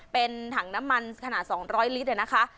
เป็นถังน้ำมันขนาด๒๐๐ลิตรนะคะ